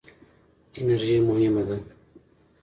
انرژي مهمه ده.